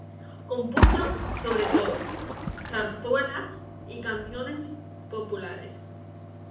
Compuso, sobre todo, zarzuelas y canciones populares.